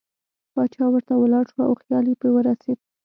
باچا ورته ولاړ شو او خیال یې په ورسېد.